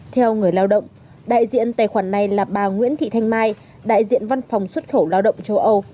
theo người lao động đại diện tài khoản này là bà nguyễn thị thanh mai đại diện văn phòng xuất khẩu lao động châu âu